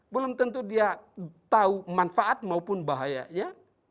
belum tentu dia tahu manfaat maupun bahayanya